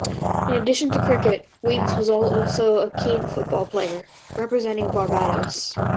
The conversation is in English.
In addition to cricket, Weekes was also a keen football player, representing Barbados.